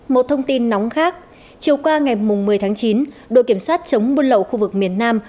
một thông tin nóng khác chiều qua ngày một mươi tháng chín đội kiểm soát chống buôn lậu khu vực miền nam